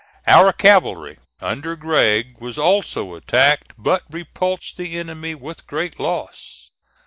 Our cavalry under Gregg was also attacked, but repulsed the enemy with great loss.